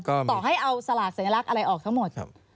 ต่อให้เอาสลากสัญลักษณ์อะไรออกทั้งหมด